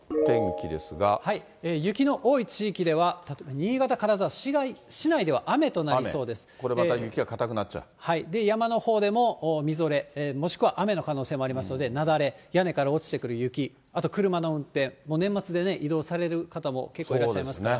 雪の多い地域では新潟、これまた雪がかたくなっちゃで、山のほうでもみぞれ、もしくは雨の可能性もありますので、雪崩、屋根から落ちてくる雪、あと車の運転、年末でね、移動される方も結構いらっしゃいますから。